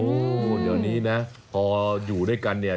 โอ้โหเดี๋ยวนี้นะพออยู่ด้วยกันเนี่ย